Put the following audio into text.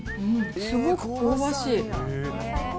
すごく香ばしい。